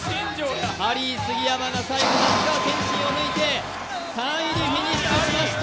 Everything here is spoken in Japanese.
ハリー杉山が最後那須川天心を抜いて３位でフィニッシュしました。